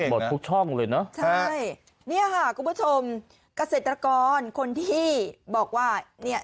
หมดทุกช่องเลยเนอะใช่เนี่ยค่ะคุณผู้ชมเกษตรกรคนที่บอกว่าเนี่ย